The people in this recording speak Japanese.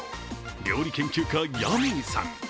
料理研究家、ヤミーさん。